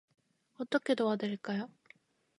어떻게 도와드릴까요?